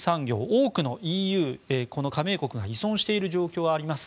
多くのＥＵ加盟国が依存している状況があります。